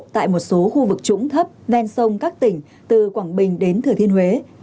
tại một số khu vực trũng thấp ven sông các tỉnh từ quảng bình đến thừa thiên huế